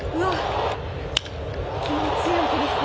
気持ちいい音ですね。